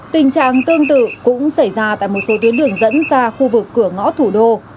tình trạng tương tự cũng xảy ra tại một số tuyến đường dẫn ra khu vực cửa ngõ thủ đô